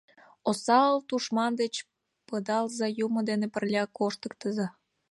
Осал тушман деч пыдалза, Юмо дене пырля коштыктыза.